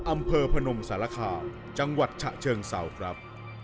อำเภอพนมสารคาจังหวัดฉะเชิงเซาครับ